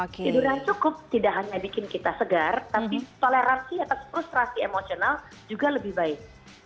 tidur yang cukup tidak hanya bikin kita segar tapi toleransi atas frustrasi emosional juga lebih baik